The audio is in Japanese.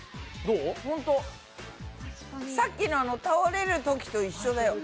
さっきのあの倒れるときと一緒だよ。